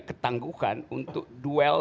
ketangguhan untuk duel